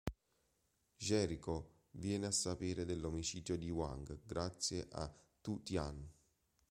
Jericho viene a sapere dell'omicidio di Wang grazie a Tu Tian.